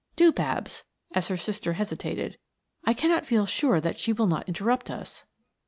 "Do, Babs," as her sister hesitated. "I cannot feel sure that she will not interrupt us."